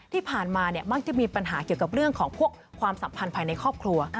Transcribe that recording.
ที่ผ่านมามักจะมีปัญหาเกี่ยวกับเรื่องของพวกความสัมพันธ์ภายในครอบครัว